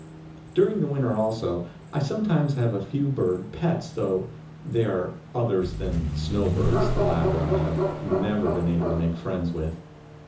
During the winter also, I sometimes have a few bird pets, though they are others than snow birds. The latter I have never been able to make friends with.